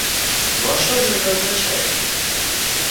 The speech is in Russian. Ну а что же это означает?